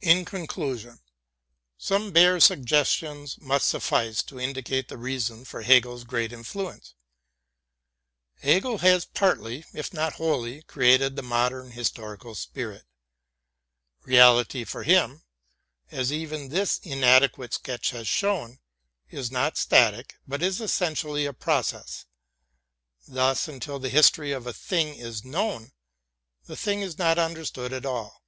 In conclusion, some bare suggestions must suffice to indi cate the reason for Hegel's great influence. Hegel has partly, if not wholly, created the modern historical spirit. Reality for him, as even this inadequate sketch has shown, is not static, but is essentially a process. Thus until the history of a thing is known, the thing is not understood at all.